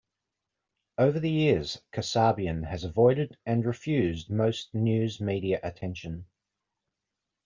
Over the years, Kasabian has avoided and refused most news media attention.